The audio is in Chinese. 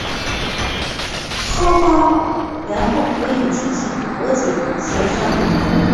双方然后可以进行和解协商。